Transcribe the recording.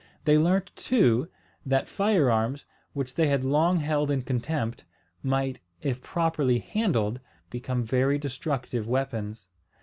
They learnt too, that fire arms, which they had long held in contempt, might, if properly handled, become very destructive weapons.